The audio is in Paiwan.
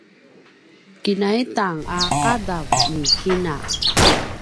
kinaitan a qadav ni kina